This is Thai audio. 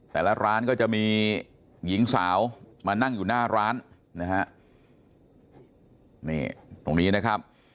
แต่ละร้านก็จะมีหญิงสาวมานั่งอยู่หน้าร้านนะฮะนี่ตรงนี้นะครับ